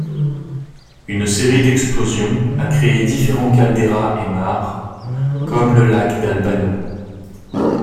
Une série d’explosions a créé différents caldeiras et maars, comme le lac d'Albano.